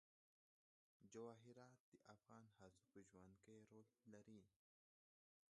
جواهرات د افغان ښځو په ژوند کې رول لري.